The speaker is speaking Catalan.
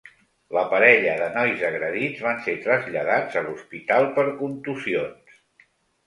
La parella de nois agredits van ser traslladats a l’hospital per contusions.